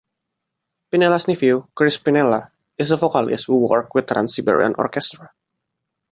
Pinnella's nephew, Chris Pinnella, is a vocalist who worked with Trans-Siberian Orchestra.